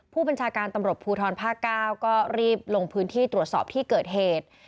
ผู้บัญชาการตำรวจภูทรภาค๙ก็รีบลงพื้นที่ตรวจสอบที่เกิดเหตุ